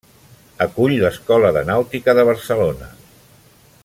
Acull l'Escola de Nàutica de Barcelona.